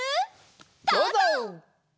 どうぞ！